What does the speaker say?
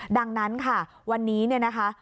ดังนั้นค่ะวันนี้นะคะ